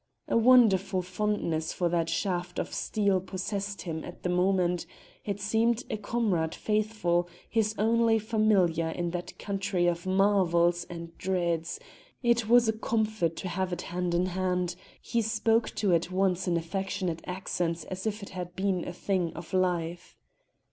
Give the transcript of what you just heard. A wonderful fondness for that shaft of steel possessed him at the moment: it seemed a comrade faithful, his only familiar in that country of marvels and dreads; it was a comfort to have it hand in hand; he spoke to it once in affectionate accents as if it had been a thing of life.